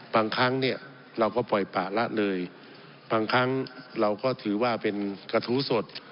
บางครั้งเนี่ยเราก็ปล่อยป่าละเลยบางครั้งเราก็ถือว่าเป็นกระทู้สด